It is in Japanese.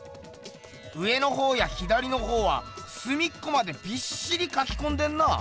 上のほうや左のほうはすみっこまでびっしりかきこんでんな。